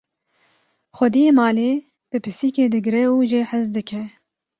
xwediyê malê bi pisikê digre û jê hez dike